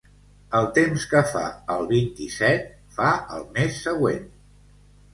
El temps que fa el vint-i-set, fa el mes següent.